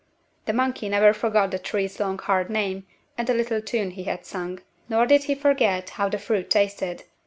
The monkey never forgot the tree's long hard name and the little tune he had sung. Nor did he forget how the fruit tasted.